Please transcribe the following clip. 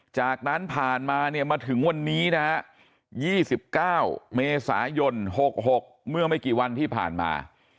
จากนั้นผ่านมาเนี่ยมาถึงวันนี้นะฮะ๒๙เมษายน๖๖เมื่อไม่กี่วันที่ผ่านมา